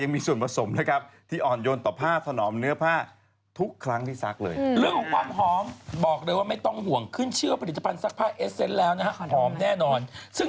มันให้ดังเลยถ้าเก้าหกเธอไม่ทันจะได้สักเลยแอ่งจริง